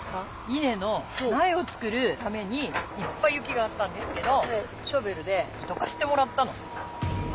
いねのなえを作るためにいっぱい雪があったんですけどショベルでどかしてもらったの。